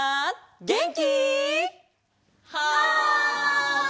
げんき！